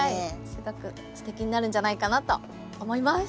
すごくすてきになるんじゃないかなと思います。